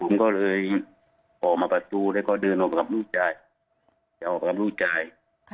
ผมก็เลยออกมาประตูแล้วก็เดินออกกับลูกจาย